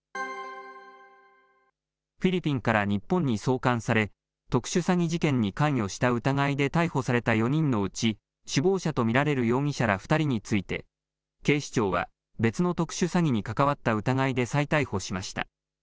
フィリピンから日本に送還され、特殊詐欺事件に関与した疑いで逮捕された４人のうち、首謀者と見られる容疑者ら２人について、警視庁は別の特殊詐欺に関わった疑いで再逮捕しました。